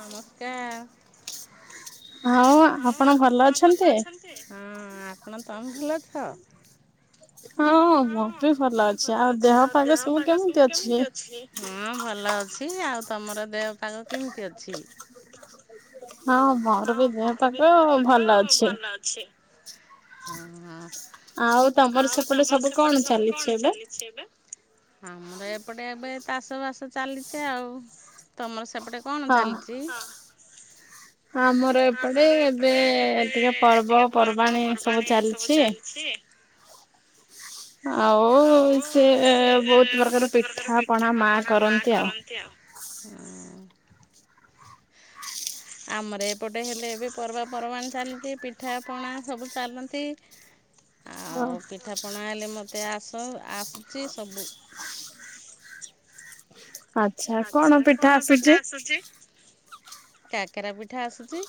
ନମସ୍କାର। ହଁ ଆପଣ ଭଲ ଅଛନ୍ତି। ହଁ ଆପଣ ତମେ ଭଲ ଅଛ। ହଁ ମତେ ସଲ ଅଛି ଆଉ ଦେହପାଗ ସବୁ କେମିତି ଅଛି ହଁ ଭଲ ଅଛି ଆଉ ତମର ଦେହପାଗ କେମିତି ଅଛି? ହଁ ମୋର ବି ଦେହ ପାଖ ଭଲ ଅଛି। ଛି ହଁ ହଁ ଆଉ ତମର ସେପଟେ ସବୁ କଣ ଚାଲିଛି ଏବେ ଛେ ବେ ଆମର ଏପଟେ ଏବେ ଚାଷ ବାସ ଚାଲିଛି ଆଉ ତମର ସେପଟେ କଣ ଚାଲିଛି। ହ ହଁମର ରେ ଏପଟେ ଏବେ ଟିକେ ପର୍ବପର୍ବାଣୀ ସବୁ ଚାଲିଛି। [inaudible] ଆଉ ସେ ବହୁତ ପ୍ରକାର ପିଠା ପଣା ମା କରନ୍ତି ଆଉ ହଁ ଆ [unintelligible] ଆମର ଏପଟେ ହେଲେ ଏବେ ପର୍ବପର୍ବାଣି ଚାଲିଛି ପିଠାପଣା ସବୁ ଚାଲନ୍ତି। [inaudible] ଆଉ ପିଠାପଣା ହେଲେ ମୋତେ ଆସ ଆସୁଛି ସବୁ ଆଛା କଣ ପିଠା ଆସୁଛି? କାକେରା ପିଠା ଆସୁଛି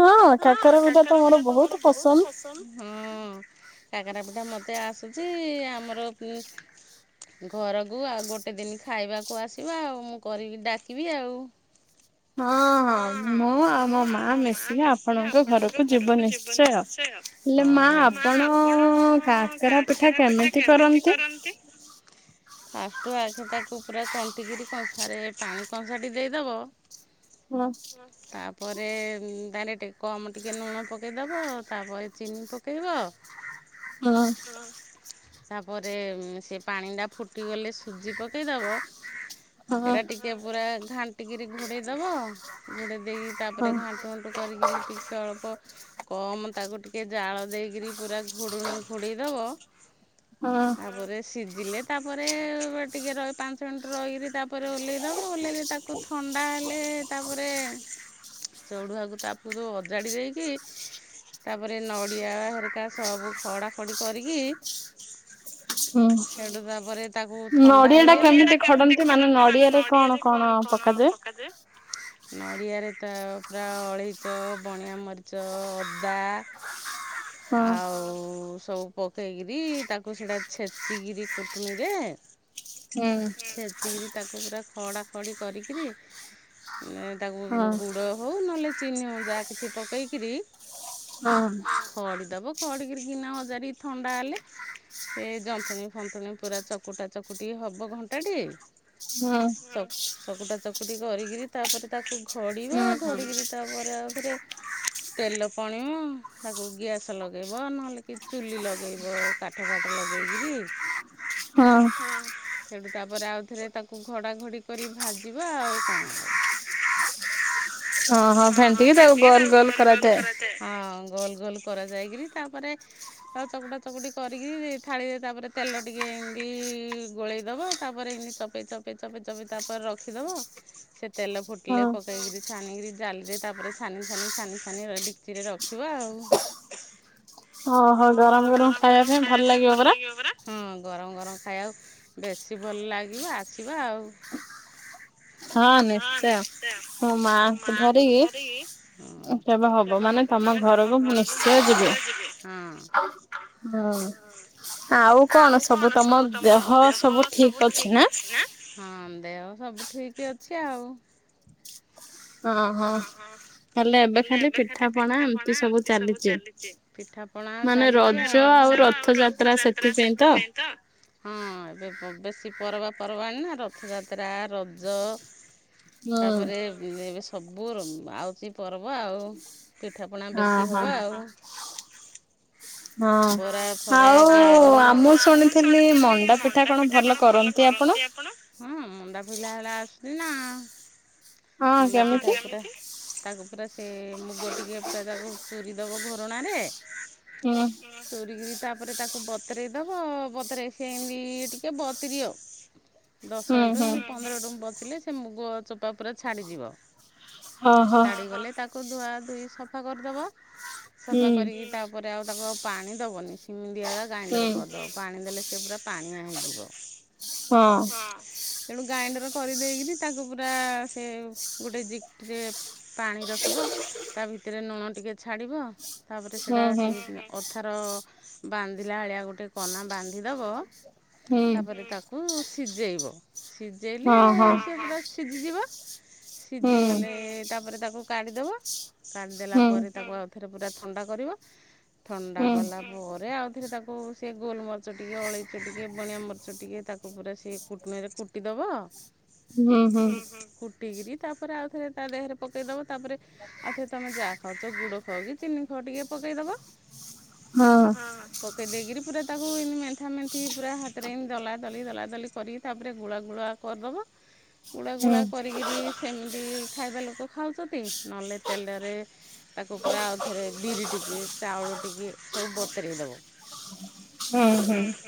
ହଁ କାକରା ପିଠା ତ ମୋର ବହୁତ ପସନ୍ଦ ହଁ କାକରା ପିଠା ମତେ ଆସୁଛି ଆମର ଉ ଘରକୁ ଆଉ ଗୋଟେ ଦିନ ଖାଇବାକୁ ଆସିବା ଆଉ ମୁଁ କରିକି ଡାକିବି ଆଉ ହଁ ହଁ ମୁଁ ଆଉ ମୋ ମା ମିଶିକି ଆ ପଣଙ୍କ ଘରକୁ ଯିବ ନିଶ୍ଚୟ ଆଉ ହେଲେ ମା ଆପଣା! କାକରା ପିଠା କେମିତି କରନ୍ତି? ଫାଷ୍ଟୁ ଆଖେ ତାକୁ ପୁରା କଣ୍ଟିକିରି କଂସାରେ ପାଣି କଂସାଟି ଦେଇଦବ ହଁ। ତାପରେ ଦ ଟେ! କମ୍ ଟିକିଏ ଲୁଣ ପକାଇଦେବ ତାପରେ ଚିନି ପକାଇବ। ମ ଅ ହ ତାପରେ ସେ ପାଣିଟା ଫୁଟିଗଲେ ସୁଜି ପକଇଦବ। [inaudible] ସେଇଟା ଟିକେ ପୁରା ଘାଣ୍ଟିକିରି ଘୋଡ଼େଇ ଦବ। ଘୋଡ଼େଇ ଦେଇକି ତାପରେ ଘାଣ୍ଟୁ ଘାଣ୍ଟୁ କରିକିରି ଟିକେ ଅଳ୍ପ। କମ ତାକୁ ଟିକେ ଜାଳ ଦେଇକରି ପୁରା ଘୋଡ଼ୁଣି ଘୋଡ଼େଇଦବ ହଁ ତା ପରେ ସିଝିଲେ ତାପରେ ଟିକେ ରହି ପାଞ୍ଚ ମିନିଟ୍ ରହିକିରି ତାପରେ ଓହ୍ଲାଇଦବ ଓହ୍ଲକି। ତାକୁ ଥଣ୍ଡା ହେଲେ ତାପରେ ଚଢ଼ୁଆକୁ ତା ପୁରୁ ଅଜାଡ଼ି ଦେଇକି। ତାପରେ ନଡ଼ିଆ ହେରିକା ସବୁ ଖଡ଼ା ଖଡ଼ି କରିକି। ସେଠୁ ତାପରେ। ତାକୁ ଥଣ୍ଡା ହେଇ ଏଟା କେମିତି ଖଡନ୍ତି ମାନେ ନଡିଆରେ କଣ କଣ ପକାଯାଏ। ନଡ଼ିଆରେ ତା ପୁରା ଅଳେଇ! ରିଚ ବଣିଆ ମରିଚ ଅଦା ଆଉ ସବୁ। ପକେଇକିରି ତାକୁ ସେଇଟା ଛେଚିକିରି କୁଟନୀରେ! ସେଚିକରି। ତାକୁ ପୁରା ଖଡ଼ା ଖଡ଼ି କରିକିରି ତାକୁ ଗୁଡ଼ ହେଉ ନହେଲେ। ଚିନିଉ ଯାହା କିଛି ପକେଇକିରି। ଖଡି ଦବ ଖଡିକ କିନା ହଜାରିକ ଥଣ୍ଡା ହେଲେ। ଏଇ ଯନ୍ତୁଣୀ ଫନ୍ତୁଣୀ ପୁରା ଚକୁଟା ଚକୁଟି ହବ ଘଣ୍ଟାଟି! ଚକୁଟା ଚକୁଟି କରିକିରି ତାପରେ ତାକୁ ଘଡିବା ଘଡିକିରି। ତାପପରେ ଆଉଥରେ। ତେଲ ପଣିବ ତାକୁ ଗ୍ୟାସ୍ ଲଗାଇବ ନହେଲେ କି ଚୁଲି ଲଗାଇବ। କାଠ ଫଠ ଲଗେଇକରି। ହଁ? ହଁ? ସେଠୁ ତାପରେ ଆଉ ଥରେ ତାକୁ ଘଡାଘଡି କରି ଭାଜିବା ଆଉ କଣ? ହଁ ଫେଣ୍ଟି ତା ଗୋଲ ଗୋଲ କରାଯ ହଁ ଗୋଲ ଗୋଲ କରାଯାଇକରି ତାପରେ! ଆଉ ଚକୁଟା ଚକୁଟି କରିକି ଥାଳିରେ ତାପରେ ତେଲ ଟିକେ ଏମିତି ଗୋଳେଇ ଦବା ତାପରେ ଏମତି। ଚପେଇ ଚପେଇ ଚପେଇ ଚପେଇ ତାପରେ ରଖିଦବ ସେ ତେଲ ଫୁଟିଲେ ପକେଇକିରି ଛାଣିକିରି। ଜାଲିରେ ତାପରେ ଛାନି ଛାନି ଛାନି ଛାନି ଡିକଚିରେ ରଖିବା ଆଉ? ଓହୋ ଗରମ ଗରମ ଖାଇବା ପାଇଁ ଭଲ ଲାଗିବ ପରା। ହଁ ଗରମ ଗରମ ଖାଇବାକୁ ବେଶୀ ଭଲ ଲାଗିବ ଆସିବା ଆଉ? ହଁ ନିଶ୍ଚୟ ହ ମା। ଧରିକି ସେବ ହବ ମାନେ ତମ ଘରକୁ ମୁଁ ନିଶ୍ଚୟ ଯିବି। ହଁ ଆଉ କଣ ସବୁ ତମ ଦେହ ସବୁ ଠିକ ଅଛି ନା? ହଁ ଦେହ ସବୁ ଠିକ ଅଛି ଆଉ। ହ ହଁ! ଖାଲି ଏବେ ଖାଲି ପିଠା ପଣା ଏମତି ସବୁ ଚାଲିଛି ପିଠା ପଣା ଚାଲିଛି। ମାନେ ରଜ - ରଥଯାତ୍ରା ସେଥିପାଇଁ ତ! ହଁ ଏବେ ବେଶୀ ପର୍ବାପର୍ବାଣିୀ ନା ରଥଯାତ୍ରା। ରଜ ତାପରେ। ସବୁ ଆଉଛି ପର୍ବ ଆଉ ପିଠାପଣା ବେଶୀ ହେବ ଆଉ। ହ [unintelligible] [inaudible] ହଁ ଆଉ ଆ ମୁଁ ଶୁଣିଥିଲି ମଣ୍ଡା ପିଠା କଣ ଭଲ କରନ୍ତିୁ। କରନ୍ତି ଆପଣ। ହଁ ମଣ୍ଡାପିିଲା ବଳି ଆସିଲି ନା ମଣ୍ଡାପିଠା ଏ ପୁରା। ତାକୁ ପୁରା ସେ ମୁଗ ଟିକେ ପୁରା ତାକୁ ଚୁରିଦବ ଘରଣାରେ- ହୁଁ ଚୋରିକରି ତାପରେ ତାକୁ ବତରାଇ ଦବ ବତର ସେ ଟିକେ ବତରି ଆ। [unintelligible] [inaudible] ଦଶଠୁ ପନ୍ଦର ଟୁ ବସିଲି ସେ ଗୋ ଚୋପା ପୁରା ଛାଡ଼ିଯିବ। ଛାଡିଗଲେ ତାକୁ ଧୁଆ ଧୁଇ ସଫା କରିଦବ ସଫା କରିକି ତା! ତାଉପରେ ଆଉ ତାକୁ ପାଣି ଦେବନି ସିମି ଦଆଗକା ଗ୍ରାଇଣ୍ଡର କରିଦେବ ପାଣି ଦେଲେ- ସେ ପୁରା ପାଣିଆ ହେଇଯିବ। ତେଣୁ ଗ୍ରାଇଣ୍ଡର କରିଦେଇକରି ତାକୁ ପୁରା ସେ ଗୋଟେ ଜେ- ପାଣି ରଖିବ ତା ଭିତରେ ଲୁଣ ଟିକେ ଛାଡ଼ିବ। ତାପରେ ସେଇଟା ସେ ଅଥାର ବାନ୍ଧିଲା ଭଳିଆ ଗୋଟେ କନା ବାନ୍ଧି- ଦବ ତାପରେ ତାକୁ ସିଯେଇବ। ଶୀଯାଇଲେ ସେବାସ ସିଝିଯିବ ସିଝିଗଲେ ତାପରେ ତାକୁ କାଢ଼ିଦବ କାଢ଼ିଦେଲା ପରେ ତାକୁ ଆଉଥରେ ପୁରା ଥଣ୍ଡା କରିବ ଥଣ୍ଡା କଲା ପରେ ଆଉ- ସେଥିରେ ତାକୁ ସେ ଗୋଲ ମର୍ଚ୍ଚ ଟିକେ ଅଳେଇଚ ଟିକେ ବଣିଆ ମର୍ଚ ଟିକେ ତାକୁ ପୁରା ସେ କୁଟୁଣିରେ କୁଟି କୁଟିଦବ କୁଟିକିରି ତାପରେ ଆଉ ଥରେ ତା ଦେହରେ ପକେଇଦବ। ତାପରେ! ହ [unintelligible] [inaudible] ଏଵେ ତମେ ଯାହା ଖାଉଛ ଗୁଡ ଖାଉ କି ଚିନି ଖଅ ଟିକେ ପକେଇଦବ। ହଁ ପକେଇ ଦେଇକିରି ପୁରା ତାକୁ ଏମିତି ମେନ୍ଥା ମେନ୍ଥି ପୁରା ହାତରେ ଏମତି ଦଲା ଦଲି ଦଲା ଦଲି କରି। ତାପରେ ଗୁଳା ଗୁଳା କରିଦବା। [unintelligible] [inaudible] ଗୁଡ଼ାଗୁଳା କରିକିରି ସେମିତି ଖାଇବା ଲୋକ ଖାଉଛନ୍ତି। ନହେଲେ ତେଲରେ- ତାକୁ ପୁରା ଆଉ ଥରେ ବିରି ଟିକେ ଚାଉଳ ଟିକେ ସବୁ ବତେରେଇ ଦବ,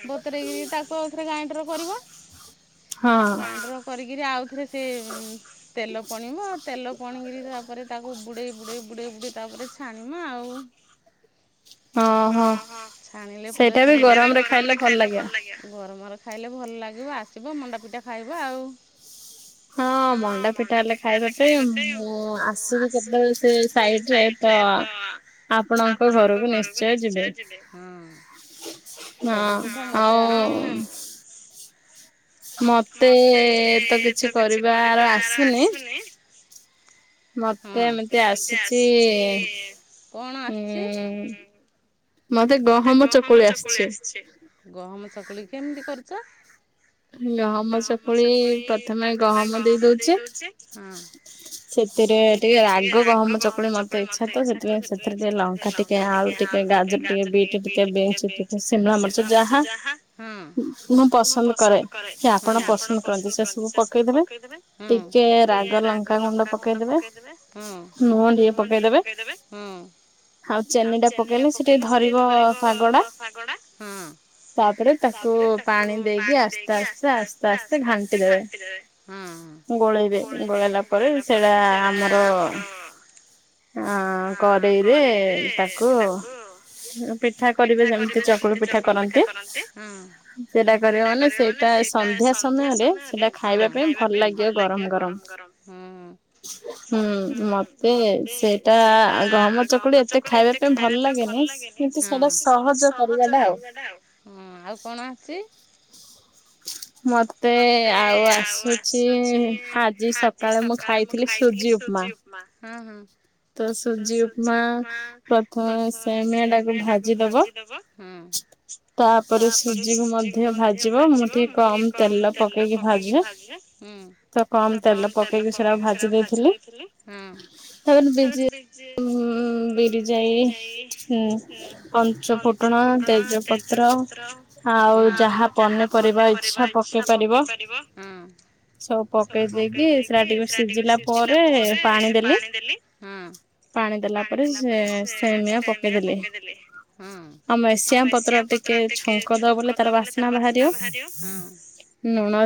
ବ ତେରେକିରି ତାକୁ ଆଉ ଥରେ ଗାଇଣ୍ଡର କରିବ ଗାଇଣ୍ଡର କରିକିରି ଆଉଥରେ ସେ ଉ-ଉ-ମ୍ ତେଲ ପଣିବ ତେଲ ପଣିକିରି ତାପରେ ତାକୁ ବୁଡେଇ ବୁଡେଇ ବୁଡେଇ ବୁଡେଇ ତାପରେ ଛାଣିବ ଆଉ। ଛାଣିଲେ ପୁରା ସେ [unintelligible] ଗରମ ରେ ଖାଇଲେ ଭଲ ଲାଗିବ ଆସିବ ମଣ୍ଡାପିଠା ଖାଇବ ଆଉ। ହଁ ମଣ୍ଡା ଫିଟା ହେଲେ ଖାଇବା ପାଇଁ ମୁଁ ଆସୁଛିି କେତେବେଳେ ସେ ସାଇ ସେ ତ-ଅ-ଅ ଆପଣଙ୍କ ଘରୁ କୁ ନିଶ୍ଚୟ ଯିବେ ହଁ ଆଉ ମତେ-ଏ-ଏ-ଏ ତ କିଛି କରିବାର ଆସୁନି। ମୋତେ ଏମିତି ଆସୁଛି-ଇ-ଇ-ଇ ହୁଁ-ଉ-ଉ ମତେ ଗହମ ଚକୁଳି ଆସିଛି। ଗହମ ଚକୁଳି-ଇ-ଇ, ପ୍ରଥମେ ଗହମ ଦେଇ ଦଉଛି। ସେଥିରେ ଟିକେ ରାଗ ଗହମ ଚକୁଳି ମତେ ଇଚ୍ଛା ତ ସେଥିପାଇଁ ସେଥିରେ ଟିକେ ଲ ଙ୍କା ଟିକେ, ଆଳୁ ଟିକେ, ଗା ଜର ଟିକେ, ବିଟ୍ ଟିକେ, ବିନ୍ସ ଟିକେ, ସିମଲା ମିର୍ଚ୍ଚ ଯାହା [unintelligible] ପସନ୍ଦ କରେ ଯେ ଆପଣ ପସନ୍ଦ କରନ୍ତି ସେ ସବୁ ପକେଇ ଦେବେ। ଟିକେ-ଏ-ଏ ରାଗ ଲଙ୍କା ଗୁଣ୍ଡ ପକେଇ ଦେବେ, ଲୁଣ ଟିକେ ପକେଇଦବେ। ଆଉ ଚେନି ଟା ପକେଇଲେ ସେ ଟିକେ ଧରି ଧରିବ-ଅ-ଅ-ଅ ପାଗଟା। ତାପରେ ତାକୁ ପାଣି ଦେଇକି ଆସ୍ତେ ଆସ୍ତେ ଆସ୍ତେ ଆସ୍ତେ ଘାଟି ଦେବେ, ଗୋଳେଇବେ। ଗୋଳେଇଲା ପରେ ସେଟା ଆମର ଅ-ଅ-ଅ କରେଇରେ ତାକୁୁ ପିଠା କରିବେ ଯେମିତି ଚକୁଳି ପିଠା କରନ୍ତି। ସେଟା କରିବେ ତା ମାନେ ସେଇଟା ସନ୍ଧ୍ୟା ସମୟରେ ସେଟା ଖାଇବା ପାଇଁ ଭଲ ଲାଗିବ ଗରମ ଗରମ। ହୁଁ ମତେ ସେଇଟା ଗହମ ଚକୁଳି ଏତେ ଖାଇବା ପାଇଁ ଭଲ ଲାଗେନି। ଇ ସେଟା ସହଜ କରିବା ଟା ଆଉ। ମତେ ଆଉ ଆସୁଛି-ଇ-ଇ-ଇ ଆଜି ସକାଳୁ ମୁଁ ଖାଇଥିଲି ସୁଜି ଉପମା। ତ ସୁଜି ଉପମା ପ୍ରଥମେ ସେମେଆଟାକୁ ଭାଜି ଦବ। ତାପରେ ସୁଜି କୁ ମଧ୍ୟ ଭାଜିବ ମୁଁ ଟିକେ କମ ତେଲ ପକେଇକି ଭାଜେ। ତ କମ ତେଲ ପକେଇକି ସେଇଟାକୁ ଭାଜି ଦେଇଥିଲି। ହୁଁ, ତା ବିଜି ଉ-ଉ-ଉ ବିରି ଯାଇ ହୁଁ [unintelligible] ପଞ୍ଚୁ ଫୁଟଣ, ତେଜପତ୍ର ଆଉ ଯାହା ପନିପରିବା ଇଛା ପକେଇ ପାରିବେ। ସବୁ ପକେଇ ଦେଇକି ସେଟା ଟିକେ ସିଝିଲା ପରେ ପାଣି ଦେଲି। ପାଣି ଦେଲା ପରେ ସେ ସେମିଆ ପକେଇଦେଲି। ଆଉ ଭିସିଆ ପ ତ୍ର ଟିକେ ଛୁଙ୍କ ଦେବ ବୋଲେ ତାର ବାସ୍ନା ବାହାରିବ।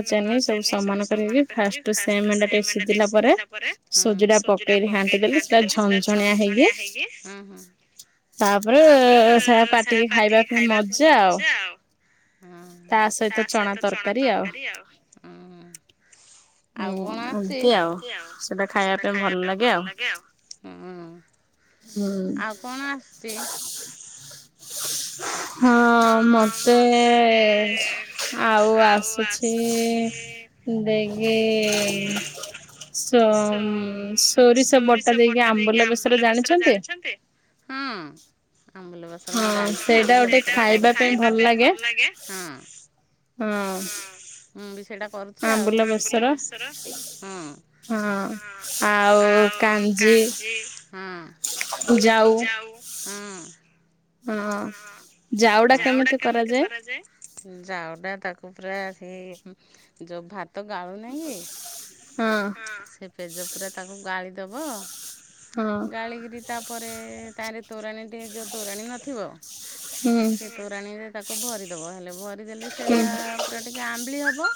ଲୁଣ, ଚିନି ସବୁ ସମାନ କରିକି ଫାଷ୍ଟ ସେମ୍ [unintelligible] ସିଝିଲା ପରେ ସୁଜି ଟା ପକେଇକି ଘାଣ୍ଟି ଦେଲି ସେଟା ଛନଞ୍ଛନିଆ ହେଇକି ତାପରେ-ଏ-ଏ-ଏ-ଏ ସେ ପାଟିକି ଖାଇବା ସେ ମଜା ଆଉ। ହୁଁ ହୁଁ ତା ସହିତ ଚଣା ତରକାରୀ ଆଉ। ଏମିତି ଆଉ, ସେଟା ଖାଇବା ପାଇଁ ଭଲ ଲାଗେ ଆଉ। ଆଉ କଣ ଆସୁଛି? ହଁ-ଅ-ଅ ମତେ-ଏ-ଏ-ଏ-ଏ ଆଉ ଆସୁଛି-ଇ-ଇ-ଇ ଦେଇକି-ଇ-ଇ ସ-ମ୍-ମ୍-ମ୍ ସୋରିଷ ବଟା ଦେଇକି ଆମ୍ବୁଲ ବେସର ଜାଣିଛନ୍ତି? ହୁଁ ଆମ୍ୱୁଲ ବେସର ଉଁ ହଁ ସେଇଟା ଗୋଟେ ଖାଇବା ପାଇଁ ଭଲ ଲାଗେ। ହୁଁ। ମୁଁ ବି ସେଇଟା କରୁଛି ଆଉ ହୁଁ। ହଁ ଆଉ କାଞ୍ଜି। ହୁଁ ହୁଁ। ହଁ ଚାଉଡା କେମିତି କରାଯାଏ? ଉଁ ଯାଉ ଟା ତାକୁ ପୁରା ସେଇ ଉଁ ଯୋଉ ଭା ତ ଗାଳୁନାହିଁ କି ସେ ପେଜ ପୁରା ତାକୁ ଗାଳିଦବ। ଗାଳିକିରି ତାପରେ ତାହିଁରେ ତୋରାଣୀ ଟିକେ ଯୋଉ ତୋରାଣୀ ନଥିବ। ସେ ତୋରାଣୀରେ ତାକୁ ଭରିଦବ ହେଲେ ଭରିଦେଲେ ସେଇଟା ପୁରା ଟିକେ ଆମ୍ୱିଳି ହବ।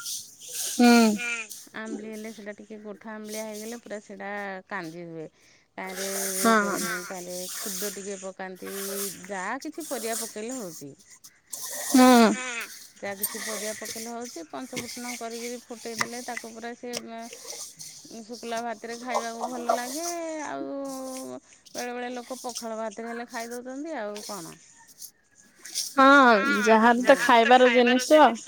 ଆମ୍ୱିଳି ହେଲେ ସେଇଟା ଟିକେ ଗୋଠ ଆମ୍ୱିଳିଆ ହେଇଗଲେ ପୁରା ସେଇଟା କାଞ୍ଜି ହୁଏ। ତାହିଁରେ କନ ତାହିଁରେ ଖୁଦ ଟିକେ ପକାନ୍ତି। ଯାହା କିଛି ପରିବା ପକେଇଲେ ହଉଛି ଯା କି କିଛି ପରିବା ପକେଇଲେ ହଉଛି ପଞ୍ଚ ଫୁଟଣ କରିକିରି ଫୁଟେଇ ଦେଲେ ତାକୁ ପୁରା ସେ ମେ। ଉଁ ଶୁଖିଲା ଭାତରେ ଖାଇବାକୁ ଭଲ ଲାଗେ ଆଉ। ବେଳେ ବେଳେ ଲୋକ ପଖାଳ ଭାତରେ ହେଲେ ଖାଇଦଉଛନ୍ତି ଆଉ କଣ। ହଁ ଯାହା ବି ତ ଖାଇବାର ଜିନିଷ।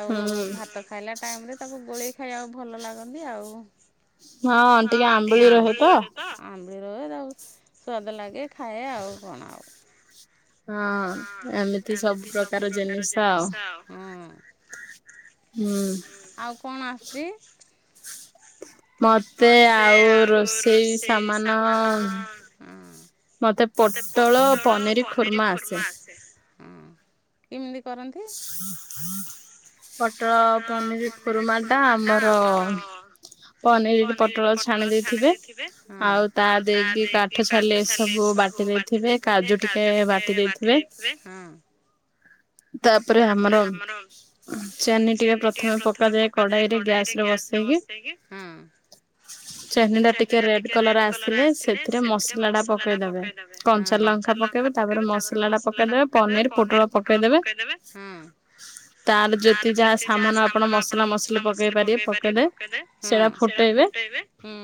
ଆଉ [unintelligible] ଭାତ ଖାଇଲା ଟାଇମରେ ତାକୁ ଗୋଳେଇ ଖାଇବାକୁ ଭଲ ଲାଗନ୍ତି ଆଉ। ହଁ ଟିକେ ଆମ୍ୱିଳି ରହେ ତ। ଆମ୍ବିଳି ରହେ ତାକୁ ସ୍ୱାଦ ଲାଗେ ଖାଇବା ଆଉ କଣ ଆଉ। ହଁ ଏମିତି ସବୁ ପ୍ରକାର ଜିନିଷ ଆଉ। ହୁଁ। ହୁଁ। ଆଉ କଣ ଆଶୁଛି? ମତେ ଆଉ ରୋଷେଇ ସାମାନ। ମତେ ପୋଟଳ, ପନିରି ଖୁର୍ମା ଆସେ। କେମିତି କରନ୍ତି? ପୋଟଳ, ପନିରି ଖୁର୍ମା ଟା ଆମର। ପନିରି କି ପୋଟଳ ଛାଣି ଦେଇଥିବେ ଆଉ ତା ଦେଇକି କାଠ ଛାଲି ସବୁ ବା ବାଟି ଦେଇଥିବେ କାଜୁ ଟିକେ ବାଟି ଦେଇଥିବେ। ତାପରେ ଆମର। ଅଁ ଚେନି ଟିକେ ପ୍ରଥମେ ପକାଯାଏ କଡାଇରେ ଗ୍ୟାସ ରେ ବସେଇକି। ଚେନି ଟା ଟିକେ ରେଡ କଲର ଆସିଲେ ସେଥିରେ ମସଲା ଟା ପକେଇଦେବେ। କଞ୍ଚା ଲଙ୍କା ପକେଇବେ ତାପରେ ମସଲା ଟା ପକେଇଦେବେ ପନିର, ପୋଟଳ ପକେଇଦେବେ। ହ ତାର ଯେତେ ଯାହା ସାମାନ ଆପଣ ମସଲା ମସଲି ପକେଇ ପାରିବେ ପକେଇଦେବେ ସେଟା ଫୁଟେଇବେ। ହୁଁ।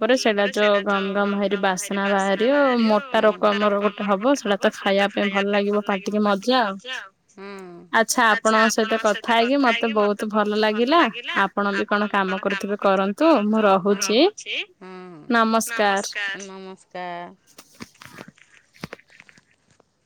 ଫୁଟିଲା ପରେ ସେଇଟା ଯୋଉ ଗମ ଗମ ହେଇକି ବାସ୍ନା ବାହାରିବ ମୋଟା ରକମର ଗୋଟେ ହ ବ ସେଇଟା ତ ଖାଇବା ପାଇଁ ଭଲ ଲାଗିବ ପାଟିକି ମ ମଜା ଆଉ ଆଚ୍ଛା ଆପଣଙ୍କ ସହିତ କଥା ହେଇକି ମତେ ବହୁତୁ ଭଲ ଲାଗିଲା। ଆପଣ ବି କଣ କାମ କରୁଥିବେ କରନ୍ତୁ ମୁଁ ରହୁଛି ନମସ୍କାର। କା।